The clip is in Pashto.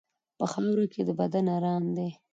په خاوره کې د بدن ارام دی.